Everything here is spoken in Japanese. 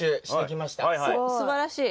すばらしい。